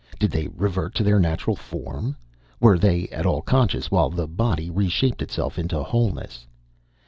Did they revert to their natural form? Were they at all conscious while the body reshaped itself into wholeness?